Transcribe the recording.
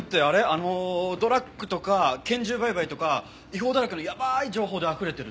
あのドラッグとか拳銃売買とか違法だらけのやばい情報であふれてるとこ？